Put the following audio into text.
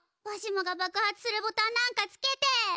わしもがばく発するボタンなんかつけて！